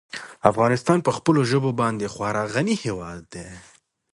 افغانستان په خپلو ژبو باندې خورا غني هېواد دی.